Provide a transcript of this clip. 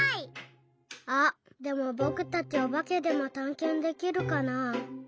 あっでもぼくたちおばけでもたんけんできるかな。